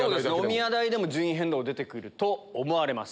おみや代でも順位変動出てくると思われます。